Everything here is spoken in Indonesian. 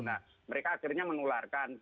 nah mereka akhirnya menularkan